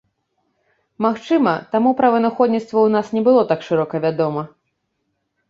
Магчыма, таму пра вынаходніцтва ў нас не было так шырока вядома.